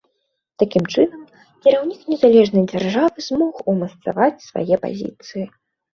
Такім чынам, кіраўнік незалежнай дзяржавы змог умацаваць свае пазіцыі.